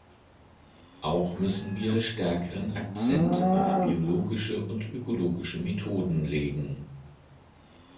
Auch müssen wir stärkeren Akzent auf biologische und ökologische Methoden legen.